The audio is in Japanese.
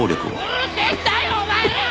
うるせえんだよお前ら！